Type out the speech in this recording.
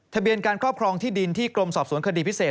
ทะเบียนการครอบครองที่ดินที่กรมสอบสวนคดีพิเศษ